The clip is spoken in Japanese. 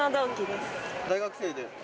大学生で。